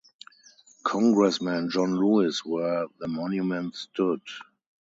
Congressman John Lewis where the monument stood.